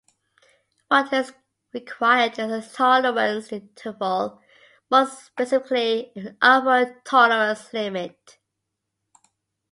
What is required is a tolerance interval; more specifically, an upper tolerance limit.